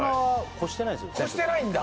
超してないんだ